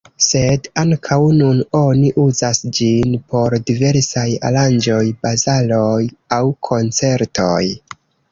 Sed ankaŭ nun oni uzas ĝin por diversaj aranĝoj, bazaroj aŭ koncertoj.